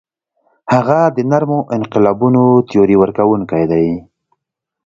هغه د نرمو انقلابونو تیوري ورکوونکی دی.